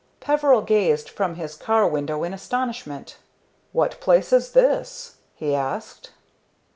Peveril gazed from his car window in astonishment. "What place is this?" he asked.